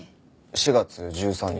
４月１３日。